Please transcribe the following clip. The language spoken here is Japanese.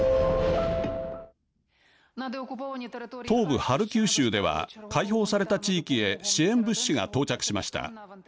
東部ハルキウ州では解放された地域へ支援物資が到着しました。